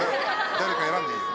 誰か選んでいいよ。